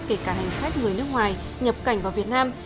kể cả hành khách người nước ngoài nhập cảnh vào việt nam